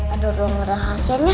ada ruang rahasianya